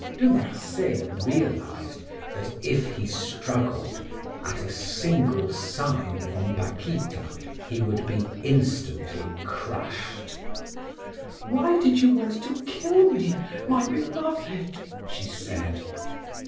De Marsay realized that, if he struggled, at a single sign from Paquita he would be instantly crushed. "Why did you want to kill me, my beloved?" she said.